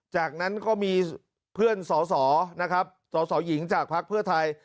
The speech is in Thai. จากนั้นก็มีเพื่อนสอสอนะครับสสหญิงจากพักเพื่อไทย